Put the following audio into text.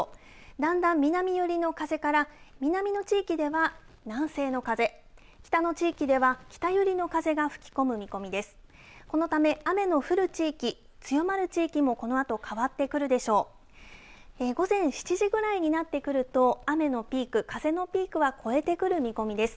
だんだん南寄りの風から南の地域では、南西の風北の地域では北寄りの風が吹き込む見込みです。